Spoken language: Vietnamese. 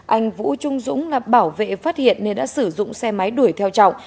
anh vũ trung dũng là bảo vệ phát hiện nên đã sử dụng xe máy đuổi theo trọng